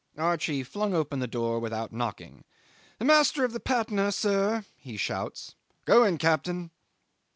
Archie flung open the door without knocking. "The master of the Patna, sir," he shouts. "Go in, captain."